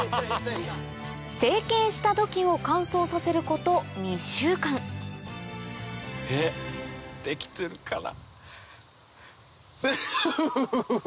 成形した土器を乾燥させること２週間えっ出来てるかな。うわ！